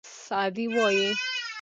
سعدي وایي.